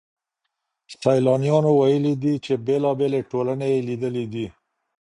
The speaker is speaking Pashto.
سيلانيانو ويلي دي چي بېلابېلې ټولني يې ليدلې دي.